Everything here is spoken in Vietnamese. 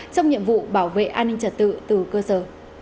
trong nhiệm vụ bảo vệ an ninh trật tự từ cơ sở